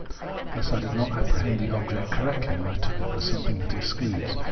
Thus I did not apprehend the object correctly when I took it for something that excludes.